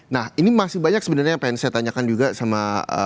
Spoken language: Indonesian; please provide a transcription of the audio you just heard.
nah ini masih banyak sebenarnya yang pengen saya tanyakan juga sama